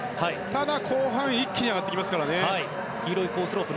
ただ後半一気に上がってきますからね。